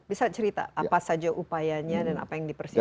bisa cerita apa saja upayanya dan apa yang dipersiapkan